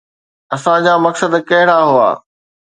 اسان جا مقصد ڪهڙا هئا؟